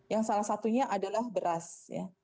yang salah satunya adalah beras